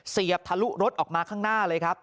บททะลุรถออกมาข้างหน้าเลยครับ